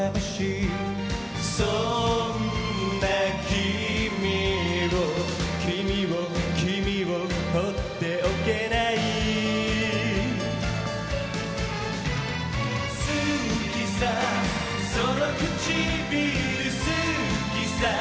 そんな君を君を君をほっておけない好きさその唇好きさ